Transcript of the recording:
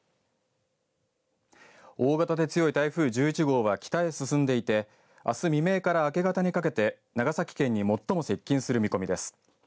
大型で強い台風１１号は北へ進んでいてあす未明から明け方にかけて長崎県に最も接近する見込みです。